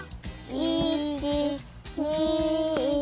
１２３。